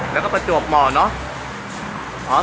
แล้วก็ไปจวกหม่อเนาะ